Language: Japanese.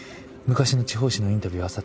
昔の地方紙のインタビュー